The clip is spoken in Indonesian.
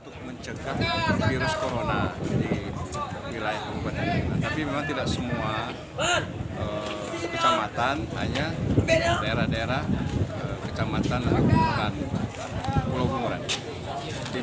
kecamatan diliburkan pulau bunguran